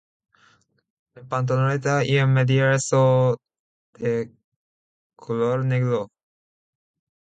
La pantaloneta y medias son de color negro.